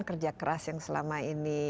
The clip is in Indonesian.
kerja keras yang selama ini